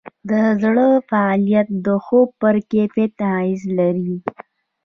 د زړه فعالیت د خوب پر کیفیت اغېز لري.